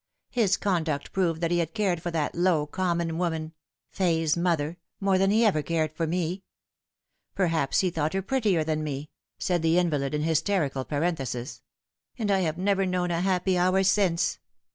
His conduct proved that he had cared for that low, common woman Fay'a mother more than ever he cared for me ; perhaps he thought her prettier than me," said the invalid in hysterical parenthesis, " and I have never known a happy hour since."